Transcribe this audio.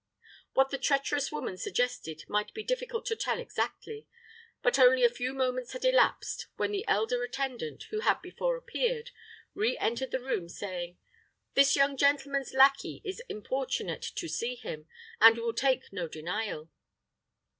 What the treacherous woman suggested might be difficult to tell exactly, but only a few moments had elapsed when the elder attendant, who had before appeared, re entered the room, saying, "This young gentleman's lackey is importunate to see him, and will take no denial."